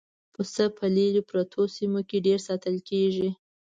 پسه په لرې پرتو سیمو کې ډېر ساتل کېږي.